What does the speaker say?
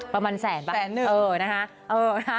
ประมาณแสนป่ะเออนะคะแสน๑บาท